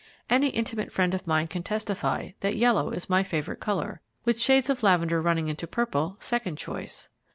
Any intimate friend of mine can testify that yellow is my favourite colour, with shades of lavender running into purple, second choice.